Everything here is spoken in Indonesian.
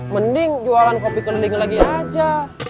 mending jualan kopi keliling lagi aja